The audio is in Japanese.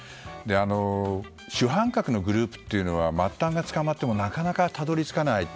主犯格のグループというのは末端が捕まってもなかなかたどり着かない。